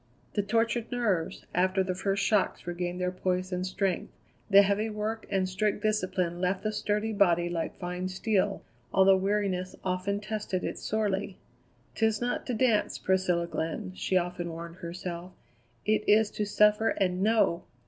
The tortured nerves, after the first shocks, regained their poise and strength; the heavy work and strict discipline left the sturdy body like fine steel, although weariness often tested it sorely. "'Tis not to dance, Priscilla Glenn," she often warned herself; "it is to suffer and know!"